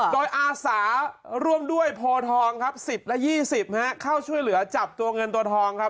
โดยอาสาร่วมด้วยโพทองครับ๑๐และ๒๐เข้าช่วยเหลือจับตัวเงินตัวทองครับ